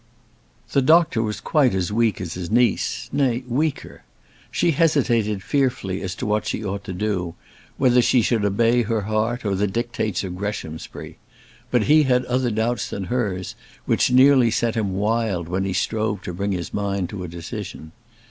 The doctor was quite as weak as his niece; nay, weaker. She hesitated fearfully as to what she ought to do: whether she should obey her heart or the dictates of Greshamsbury. But he had other doubts than hers, which nearly set him wild when he strove to bring his mind to a decision.